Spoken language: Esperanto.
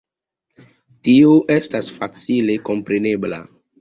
Tio estas facile komprenebla.